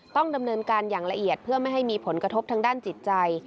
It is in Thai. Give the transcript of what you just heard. ต้องดำเนินการอย่างละเอียดเพื่อไม่ให้มีผลกระทบทางด้านจิตใจ